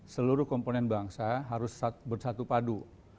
seluruh komponen bangsa harus bersatu padu